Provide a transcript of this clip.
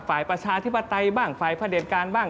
ฝ่ายประชาธิปไตยบ้างฝ่ายผลิตการบ้าง